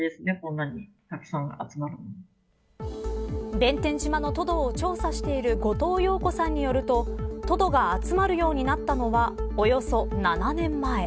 弁天島のトドを調査している後藤陽子さんによるとトドが集まるようになったのはおよそ７年前。